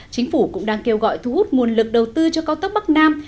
chính phủ cũng đang kêu gọi thu hút nguồn lực đầu tư cho cao tốc bắc nam